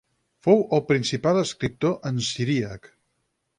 Fou el principal escriptor en siríac.